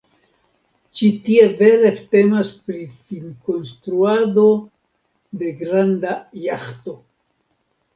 Ĉi tie vere temas pri finkonstruado de granda jaĥto.